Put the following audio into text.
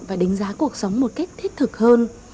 và đánh giá cuộc sống một cách thiết thực hơn